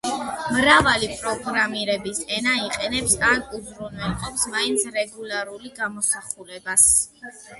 მრავალი პროგრამირების ენა იყენებს ან უზრუნველყოფს მაინც რეგულარული გამოსახულებას.